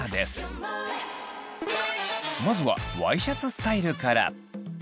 まずはワイシャツスタイルから。